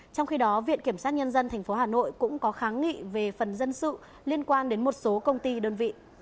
trong khi đó viện kiểm sát nhân dân tp hà nội cũng có kháng nghị về phần dân sự liên quan đến một số công ty đơn vị